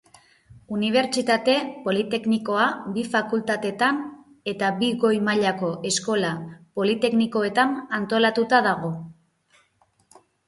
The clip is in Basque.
Unibertsitate politeknikoa bi fakultatetan eta bi goi mailako eskola politeknikoetan antolatuta dago.